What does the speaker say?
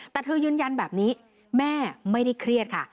แต่เธอยืนยันแบบนี้แม่ไม่ได้เครียดค่ะ